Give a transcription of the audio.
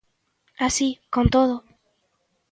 Así, con todo.